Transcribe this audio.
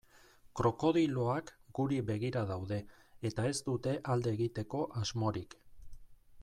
Krokodiloak guri begira daude eta ez dute alde egiteko asmorik.